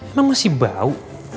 emang masih bau